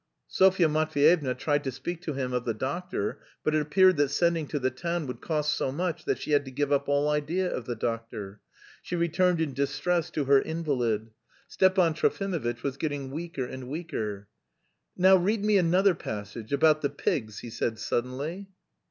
Sofya Matveyevna tried to speak to him of the doctor, but it appeared that sending to the town would cost so much that she had to give up all idea of the doctor. She returned in distress to her invalid. Stepan Trofimovitch was getting weaker and weaker. "Now read me another passage.... About the pigs," he said suddenly.